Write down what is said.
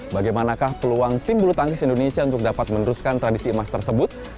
bagaimanakah peluang tim bulu tangkis indonesia untuk dapat meneruskan tradisi emas tersebut